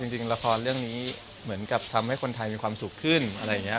จริงละครเรื่องนี้เหมือนกับทำให้คนไทยมีความสุขขึ้นอะไรอย่างนี้